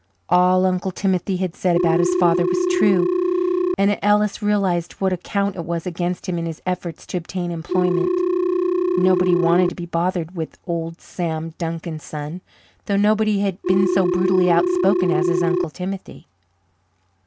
All Uncle Timothy had said about his father was true, and Ellis realized what a count it was against him in his efforts to obtain employment. Nobody wanted to be bothered with "Old Sam Duncan's son," though nobody had been so brutally outspoken as his Uncle Timothy.